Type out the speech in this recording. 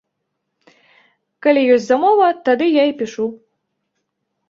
Калі ёсць замова, тады я і пішу.